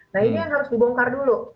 nah ini yang harus dibongkar dulu